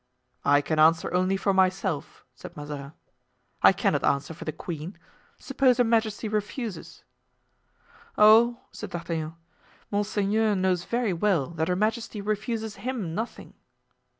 "I can answer only for myself," said Mazarin. "I cannot answer for the queen. Suppose her majesty refuses?" "Oh!" said D'Artagnan, "monseigneur knows very well that her majesty refuses him nothing."